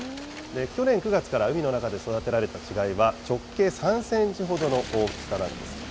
去年９月から海の中で育てられた稚貝は、直径３センチほどの大きさなんです。